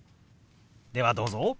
ではどうぞ。